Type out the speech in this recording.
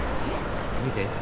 見て。